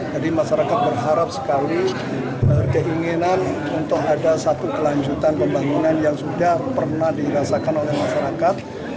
jadi masyarakat berharap sekali keinginan untuk ada satu kelanjutan pembangunan yang sudah pernah dirasakan oleh masyarakat